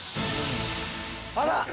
あら？